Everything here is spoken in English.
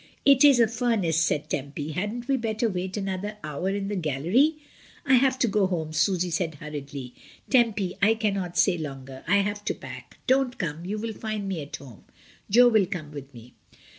"It is a furnace," said Tempy; "hadn't we better wait another hour in the gallery?" "I have to go home," Susy said hurriedly. "Tempy, I cannot stay longer, I have to pack. Don't come; you will find me at home. Jo will come with me."